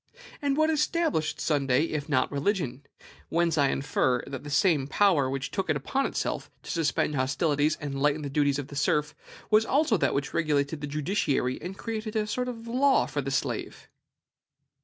And what established Sunday, if not religion? Whence I infer, that the same power which took it upon itself to suspend hostilities and to lighten the duties of the serf was also that which regulated the judiciary and created a sort of law for the slave.